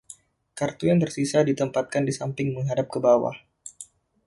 Kartu yang tersisa ditempatkan di samping menghadap ke bawah.